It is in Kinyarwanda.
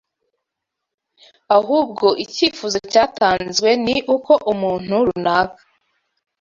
ahubwo icyifuzo cyatanzwe ni uko umuntu runaka